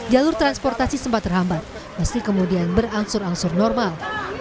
jalur transportasi sempat terhambat meski kemudian berangsur angsur normal